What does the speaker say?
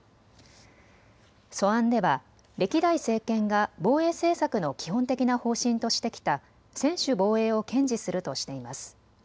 素案では歴代政権が防衛政策の基本的な方針としてきた専守防衛を堅持するとしています。